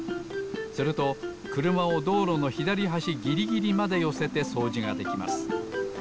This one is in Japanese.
するとくるまをどうろのひだりはしギリギリまでよせてそうじができます。